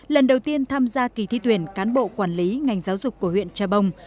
lần đầu tiên tham gia kỳ thi tuyển cán bộ quản lý ngành giáo dục của huyện trà bông